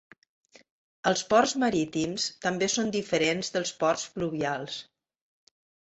Els ports marítims també són diferents dels ports fluvials.